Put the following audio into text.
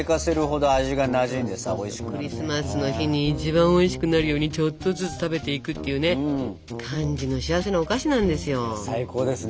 クリスマスに一番おいしくなるようにちょっとずつ食べていくっていうね感じの幸せなお菓子なんですよ。